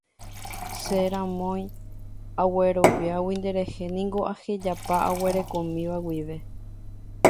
Che ramói, agueroviágui nderehe niko ahejapa aguerekomíva guive.